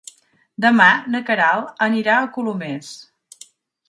Demà na Queralt anirà a Colomers.